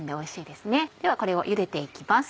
ではこれをゆでて行きます。